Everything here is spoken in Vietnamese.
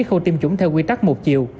khâu tiêm chủng theo quy tắc một chiều